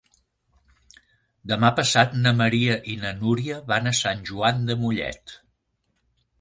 Demà passat na Maria i na Núria van a Sant Joan de Mollet.